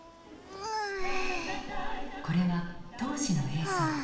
これは当時の映像。